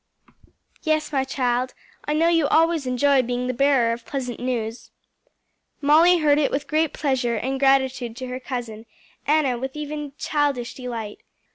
"Yes, my child; I know you always enjoy being the bearer of pleasant news." Molly heard it with great pleasure and gratitude to her cousin; Enna with even childish delight.